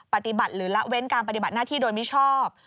ปฏิบัติหรือละเว้นการปฏิบัติหน้าที่โดยมิชอบ